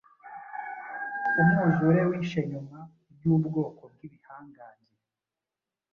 Umwuzure wishe nyuma yubwoko bwibihangange